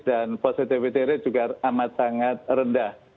dan positivity rate juga amat sangat rendah